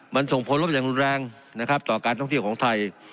มันส่งผลลบอย่างรุนแรงนะครับต่อการท่องเที่ยวของไทย